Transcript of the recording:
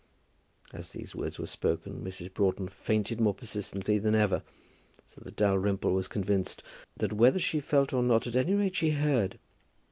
As these words were spoken, Mrs. Broughton fainted more persistently than ever, so that Dalrymple was convinced that whether she felt or not, at any rate she heard.